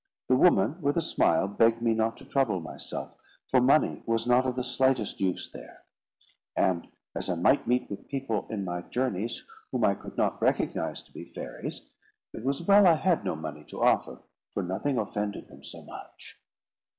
The woman with a smile begged me not to trouble myself, for money was not of the slightest use there; and as I might meet with people in my journeys whom I could not recognise to be fairies, it was well I had no money to offer, for nothing offended them so much.